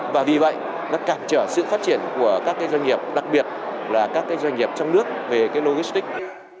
và vì vậy nó cản trở sự phát triển của các doanh nghiệp đặc biệt là các doanh nghiệp trong nước về logistics